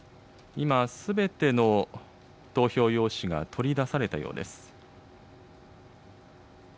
今、すべての投票用紙が取り出されたようです。